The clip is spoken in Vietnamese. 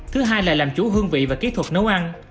thứ hai là làm chủ hương vị và kỹ thuật nấu ăn